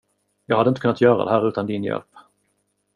Jag hade inte kunnat göra det här utan din hjälp.